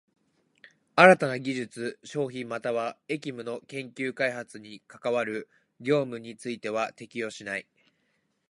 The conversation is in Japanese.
新たな技術、商品又は役務の研究開発に係る業務については適用しない。